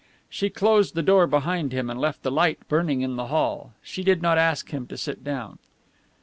She closed the door behind him and left the light burning in the hall. She did not ask him to sit down.